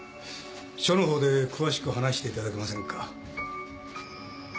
署のほうで詳しく話していただけませんか？